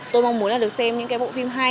tôi mong muốn được xem những bộ phim hay